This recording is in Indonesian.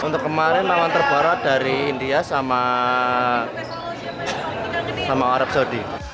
untuk kemarin lawan terbarat dari india sama arab saudi